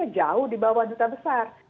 jauh di bawah duta besar